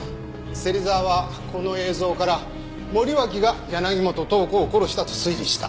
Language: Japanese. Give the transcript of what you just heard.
芹沢はこの映像から森脇が柳本塔子を殺したと推理した。